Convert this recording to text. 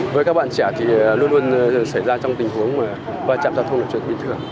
với các bạn trẻ thì luôn luôn xảy ra trong tình huống mà va chạm giao thông là chuyện bình thường